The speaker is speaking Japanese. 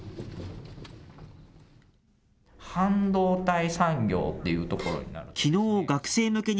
半導体産業っていうところになるんですけれども。